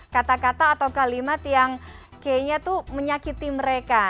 kata kata atau kalimat yang kayaknya tuh menyakiti mereka